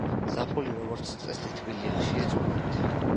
ზაფხული როგორც წესი თბილია, ხშირი წვიმებით.